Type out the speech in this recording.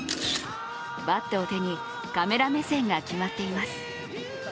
バットを手に、カメラ目線が決まっています。